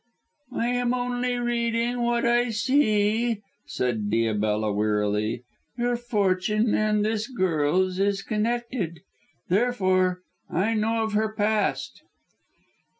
"I am only reading what I see," said Diabella wearily. "Your fortune and this girl's is connected, therefore I know of her past."